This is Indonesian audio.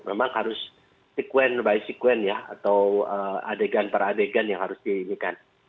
memang harus sekuen by sekuen ya atau adegan per adegan yang harus diimikan